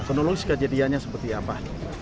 penolong kejadiannya seperti apa